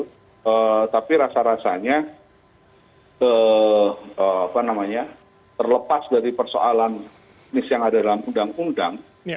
tetapi rasa rasanya terlepas dari persoalan teknis yang ada dalam undang undang